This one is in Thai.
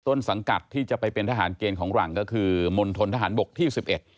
ต้นสังกัดที่จะไปเป็นทหารเกณฑ์ของหลังก็คือมณฑนทหารบกที่สิบเอ็ด